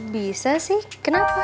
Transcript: bisa sih kenapa